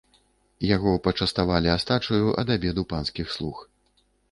Яго пачаставалі астачаю ад абеду панскіх слуг.